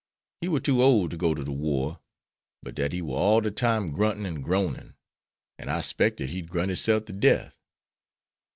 He war too ole to go to de war, but dat he war all de time gruntin' an' groanin', an' I 'spected he'd grunt hisself to death."